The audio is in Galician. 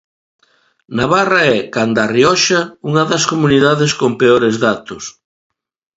Navarra é, canda A Rioxa, unha das comunidades con peores datos.